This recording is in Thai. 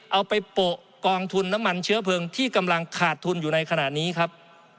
เอาไปโปะกองทุนน้ำมันเชื้อเพลิงที่กำลังขาดทุนอยู่ในขณะนี้ครับ